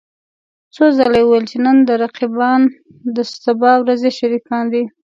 څو ځله يې وويل چې د نن رقيبان د سبا ورځې شريکان دي.